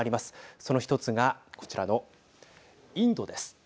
その１つがこちらのインドです。